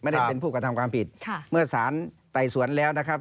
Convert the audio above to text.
ไม่ได้เป็นผู้กระทำความผิดค่ะเมื่อสารไต่สวนแล้วนะครับ